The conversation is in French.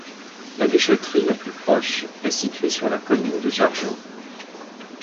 La déchèterie la plus proche est située sur la commune de Jargeau.